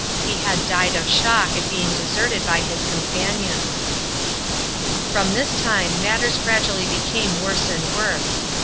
He had died of shock at being deserted by his companions. From this time matters gradually became worse and worse.